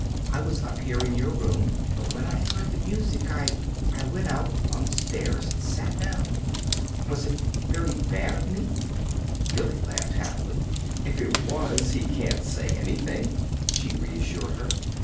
I was up here in your room, but when I heard the music I I went out, on the stairs and sat down. Was it very bad of me?" Billy laughed happily. "If it was, he can't say anything," she reassured her.